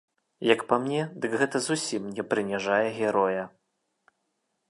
Як па мне, дык гэта зусім не прыніжае героя.